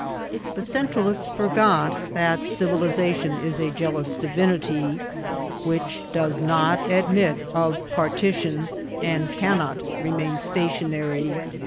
The Centralists forgot that civ* ilisation is a jealous divinity, which does not admit of partition, and cannot remain stationary.